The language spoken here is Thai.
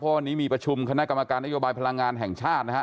วันนี้มีประชุมคณะกรรมการนโยบายพลังงานแห่งชาตินะฮะ